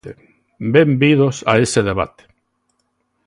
¡Benvidos a ese debate!